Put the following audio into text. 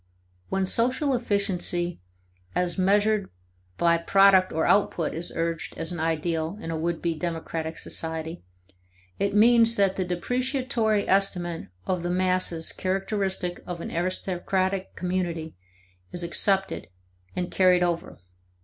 When social efficiency as measured by product or output is urged as an ideal in a would be democratic society, it means that the depreciatory estimate of the masses characteristic of an aristocratic community is accepted and carried over.